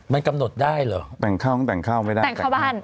มันกำหนดได้เหรอแต่งข้าวก็แต่งข้าวไม่ได้แต่งเข้าบ้าน